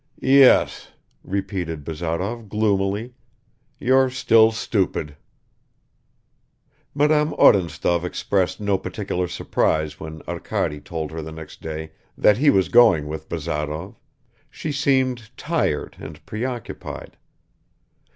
"Yes," repeated Bazarov gloomily. "You're still stupid." Madame Odintsov expressed no particular surprise when Arkady told her the next day that he was going with Bazarov; she seemed tired and preoccupied.